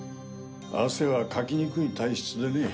汗はかきにくい体質でね。